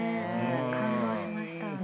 感動しました。